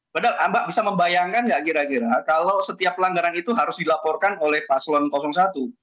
padahal anda bisa membayangkan nggak kira kira kalau setiap pelanggaran itu harus dilaporkan oleh paslon satu